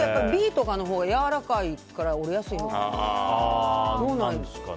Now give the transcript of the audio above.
Ｂとかのほうがやわらかいから折れやすいのかな。